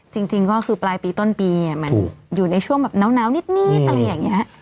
จริงก็คือปลายปีต้นปีมันอยู่ในช่วงแบบน้าวนิดอะไรอย่างนี้